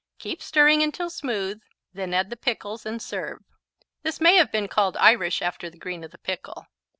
Keep stirring until smooth, then add the pickles and serve. This may have been called Irish after the green of the pickle.